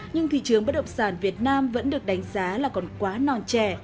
nhưng thị trường bất động sản việt nam vẫn được đánh giá là còn quá non trẻ